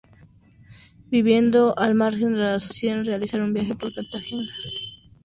Viviendo al margen de la sociedad deciden realizar un viaje por carretera juntos.